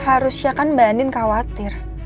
harusnya kan mbak anin khawatir